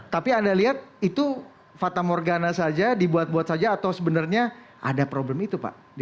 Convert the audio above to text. tapi anda lihat itu fata morgana saja dibuat buat saja atau sebenarnya ada problem itu pak